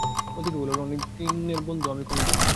মতিকে বলিল, অনেক দিনের বন্ধু আমি কুমুদের।